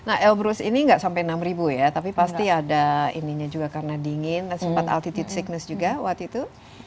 nah elbrus ini nggak sampai enam ribu ya tapi pasti ada ininya juga karena dingin dan sempat altitude sickness juga waktu itu